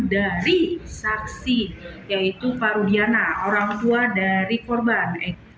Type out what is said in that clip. dari saksi yaitu pak rudiana orang tua dari korban